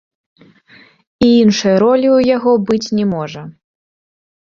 І іншай ролі ў яго быць не можа.